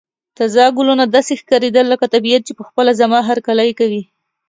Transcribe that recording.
تازه ګلونه داسې ښکاریدل لکه طبیعت چې په خپله زما هرکلی کوي.